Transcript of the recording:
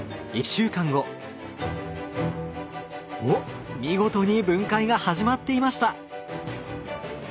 おっ見事に分解が始まっていました！